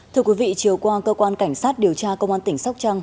thưa quý vị chiều qua cơ quan cảnh sát điều tra công an tỉnh sóc trăng